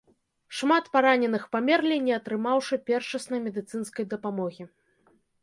Шмат параненых памерлі, не атрымаўшы першаснай медыцынскай дапамогі.